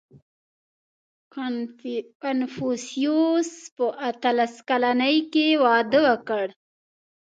• کنفوسیوس په اتلس کلنۍ کې واده وکړ.